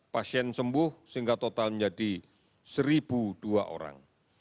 empat puluh dua pasien sembuh sehingga total menjadi satu dua orang